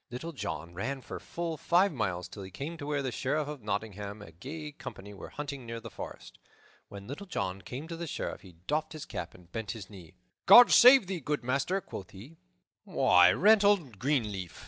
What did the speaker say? Little John ran for full five miles till he came to where the Sheriff of Nottingham and a gay company were hunting near the forest. When Little John came to the Sheriff he doffed his cap and bent his knee. "God save thee, good master," quoth he. "Why, Reynold Greenleaf!"